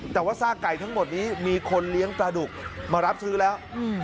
แต่ว่าซากไก่ทั้งหมดนี้มีคนเลี้ยงปลาดุกมารับซื้อแล้ว